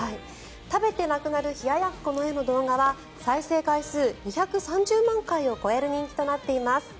食べてなくなる冷ややっこの絵の動画は再生回数２３０万回を超える人気となっています。